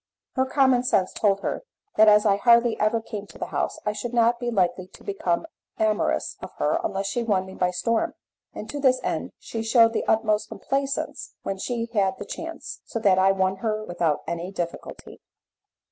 Her common sense told her that as I hardly ever came to the house, I should not be likely to become amorous of her unless she won me by storm; and to this end she shewed the utmost complaisance when she had the chance, so that I won her without any difficulty.